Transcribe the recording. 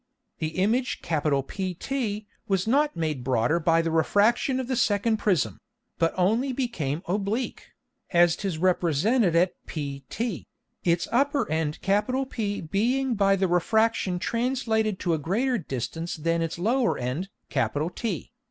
The Image PT was not made broader by the Refraction of the second Prism, but only became oblique, as 'tis represented at pt, its upper end P being by the Refraction translated to a greater distance than its lower end T.